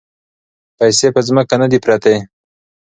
پیسې په ځمکه نه دي پرتې.